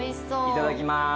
いただきます。